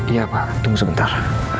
iya pak tunggu sebentar